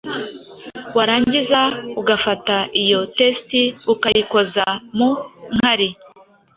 warangiza ugafata iyo test ukayikoza mu nkari